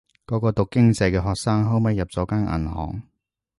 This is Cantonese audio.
嗰個讀經濟嘅學生後尾入咗間銀行